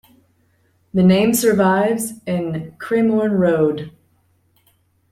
The name survives in Cremorne Road.